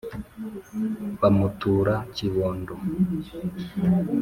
Bamutura Kibondo